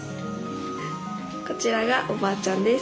こちらがおばあちゃんです。